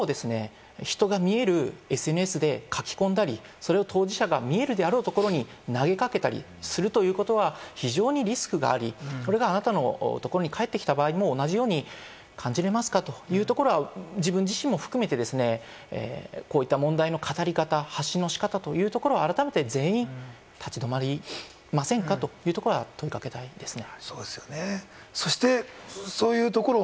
だけれども、その言葉が人が見られるＳＮＳで書き込んだり、それを当事者が見えるであろうところに投げかけたりするということは非常にリスクがあり、これが、あなたのところに返ってきたときも同じように感じられますか？というところは、自分自身も含めてですね、こういった問題の語り方、発信の仕方というところは改めて全員、立ち止まりませんか？というところは問い掛けたいですね。